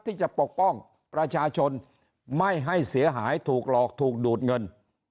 ปกป้องประชาชนไม่ให้เสียหายถูกหลอกถูกดูดเงิน